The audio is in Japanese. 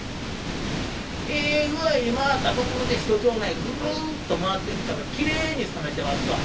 ええ具合に回ったところで一町内ぐるっと回ってきたらきれいに冷めてますわ。